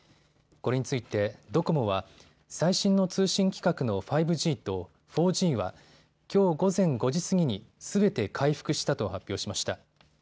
これについてドコモは最新の通信規格の５Ｇと４Ｇはきょう午前５時過ぎに、すべて回復したと発表しました。